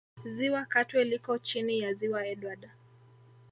Ziwa Katwe liko chini ya Ziwa Edward